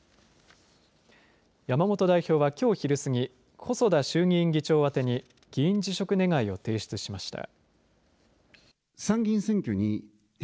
山本代表はきょう昼過ぎ、細田衆議院議長宛に議員辞職願を提出しました。